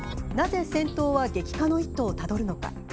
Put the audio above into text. なぜ戦闘は激化の一途をたどるのか。